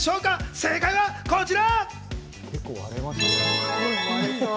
正解はこちら。